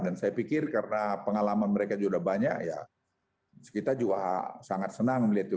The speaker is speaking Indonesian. dan saya pikir karena pengalaman mereka juga banyak ya kita juga sangat senang melihat itu